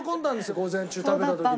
午前中食べた時に。